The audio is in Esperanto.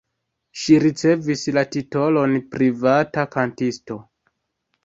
Ŝi ricevis la titolon privata kantisto.